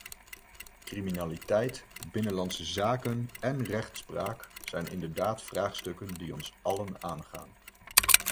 Criminaliteit, binnenlandse zaken en rechtspraak zijn inderdaad vraagstukken die ons allen aangaan.